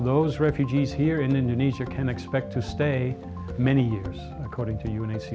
jadi penyeludup di indonesia ini dapat menunggu bertahan selama bertahun tahun menurut unhcr